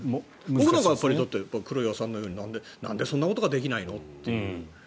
僕なんかは黒井さんのようになんでそんなことができないの？と。